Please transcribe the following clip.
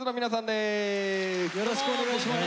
よろしくお願いします。